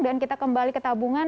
dan kita kembali ke tabungan